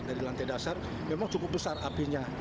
dari lantai dasar memang cukup besar apinya